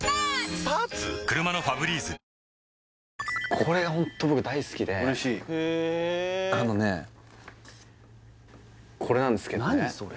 これホント僕大好きであのねこれなんすけどね何それ？